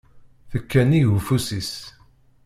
Tekka-nnig ufus-is.